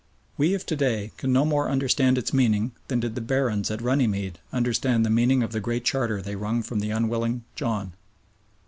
We of to day can no more understand its meaning than did the Barons at Runnymede understand the meaning of the great charter they wrung from the unwilling John.